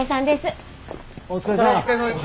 お疲れさんです。